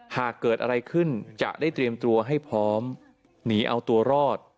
หากเกิดอะไรขึ้นจะได้เตรียมตัวให้พร้อมหนีเอาตัวรอด